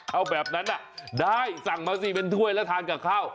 เอาแบบนั้นได้สั่งมาสิเป็นถ้วยแล้วทานกับข้าว